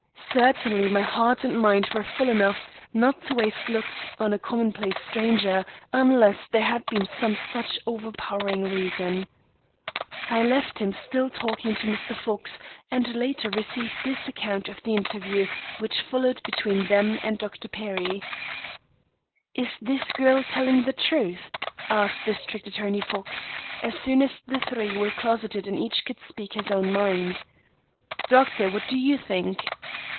Certainly my heart and mind were full enough not to waste looks on a commonplace stranger unless there had been some such overpowering reason. I left him still talking to Mr. Fox, and later received this account of the interview which followed between them and Dr. Perry. "Is this girl telling the truth?" asked District Attorney Fox, as soon as the three were closeted and each could speak his own mind. "Doctor, what do you think?"